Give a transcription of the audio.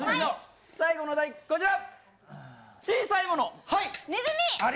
最後のお題、こちら。